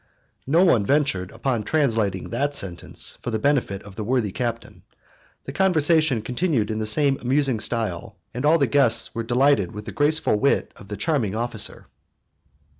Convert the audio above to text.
No one ventured upon translating that sentence for the benefit of the worthy captain. The conversation continued in the same amusing style, and all the guests were delighted with the graceful wit of the charming officer.